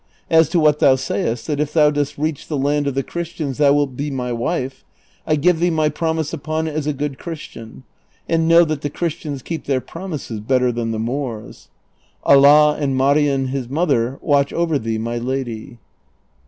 As to what thou sayost, that if thou dost reach the land of the Christians thou wilt be my wife, I give thee my promise upon it as a good Christian ; and know that the Christians keep their promises better than the floors. Allah and j\Iarien his mother watch over thee, my Lady."